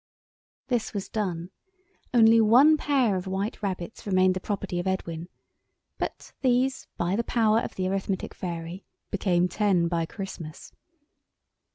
This was done. Only one pair of white rabbits remained the property of Edwin, but these, by the power of the Arithmetic Fairy, became ten by Christmas.